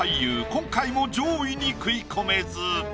今回も上位に食い込めず。